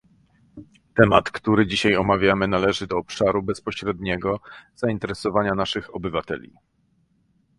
Temat, który dzisiaj omawiamy należy do obszaru bezpośredniego zainteresowania naszych obywateli